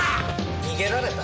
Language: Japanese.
逃げられた？